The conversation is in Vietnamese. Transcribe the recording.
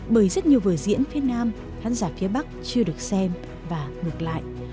bởi rất nhiều vở diễn phía nam khán giả phía bắc chưa được xem và ngược lại